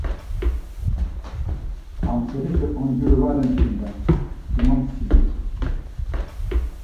Amseriti onciru va ren çkinda cuma msici.